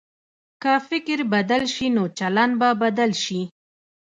که فکر بدل شي، نو چلند به بدل شي.